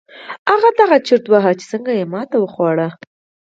هغه دا چورت واهه چې څنګه يې ماتې وخوړه.